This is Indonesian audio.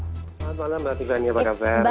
selamat malam mbak tiffany apa kabar